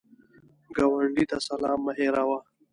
ګاونډي ته سلام مه هېروه